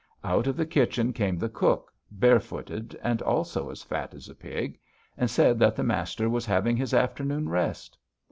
Out of the kitchen came the cook, barefooted, and also as fat as a pig, and said that the master was having his afternoon rest.